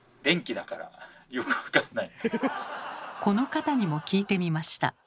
この方にも聞いてみました。